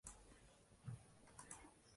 va ko’rmoq istagan o’z ko’zin rangin…